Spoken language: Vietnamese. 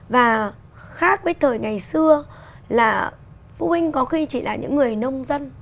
và khác với thời ngày xưa là phụ huynh có khi chỉ là những người nông dân